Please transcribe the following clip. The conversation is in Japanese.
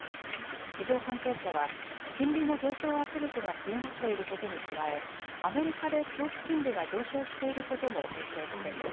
市場関係者は金利の上昇圧力が強まっていることに加えアメリカで長期金利が上昇していることも影響している。